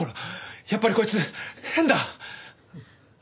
やっぱりこいつ変だ！